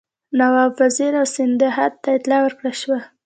نواب وزیر او سیندهیا ته اطلاع ورکړه شوه.